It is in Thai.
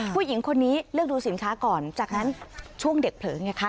ผู้หญิงคนนี้เลือกดูสินค้าก่อนจากนั้นช่วงเด็กเผลอไงคะ